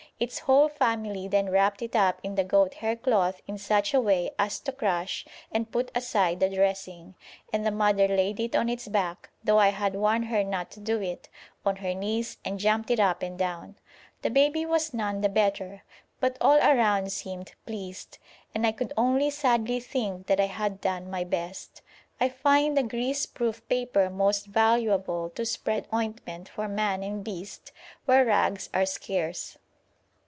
Its whole family then wrapped it up in the goat hair cloth in such a way as to crush and put aside the dressing, and the mother laid it on its back, though I had warned her not to do it, on her knees, and jumped it up and down. The baby was none the better, but all around seemed pleased, and I could only sadly think that I had done my best. I find the grease proof paper most valuable to spread ointment for man and beast where rags are scarce.